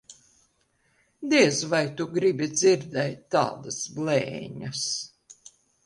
Diez vai tu gribi dzirdēt tādas blēņas.